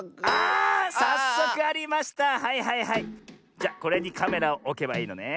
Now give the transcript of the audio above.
じゃこれにカメラをおけばいいのね。